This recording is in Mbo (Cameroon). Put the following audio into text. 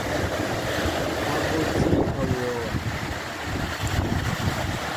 A ɓotí awɔɔ.